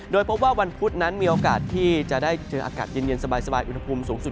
โดยพบว่าวันพุธนั้นมีโอกาสที่จะได้เจออากาศเย็นสบายอุณหภูมิสูงสุด